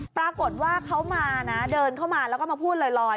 ปรากฏว่าเขามานะเดินเข้ามาแล้วก็มาพูดลอย